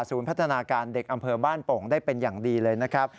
พัฒนาการเด็กอำเภอบ้านโป่งได้เป็นอย่างดีเลยนะครับ